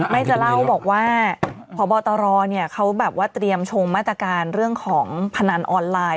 ไม่จะเล่าบอกว่าพบตรเขาแบบว่าเตรียมชงมาตรการเรื่องของพนันออนไลน์